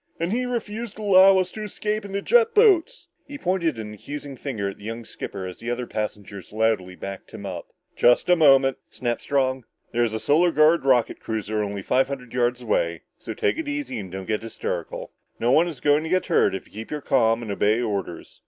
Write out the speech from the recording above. "And he refused to allow us to escape in the jet boats!" He pointed an accusing finger at the young skipper as the other passengers loudly backed him up. "Just a moment," snapped Strong. "There's a Solar Guard rocket cruiser only five hundred yards away, so take it easy and don't get hysterical. No one is going to get hurt if you keep calm and obey orders!"